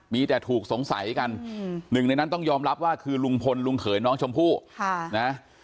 มีแต่ถูกสงสัยกันหนึ่งในนั้นต้องยอมรับว่าคือลุงพลลุงเขยน้องชมพู่นะ